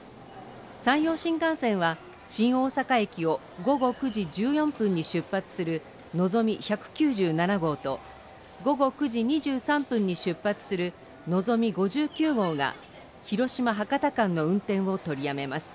山陽新幹線は新大阪駅を午後９時１４分に出発するのぞみ１９７号と午後９時２３分に出発するのぞみ５９号が広島‐博多間の運転を取りやめます